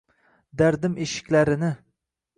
Dardim eshiklarini